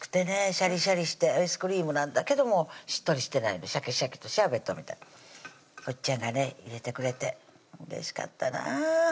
シャリシャリしてアイスクリームなんだけどもしっとりしてないシャキシャキとシャーベットみたいおっちゃんがね入れてくれてうれしかったな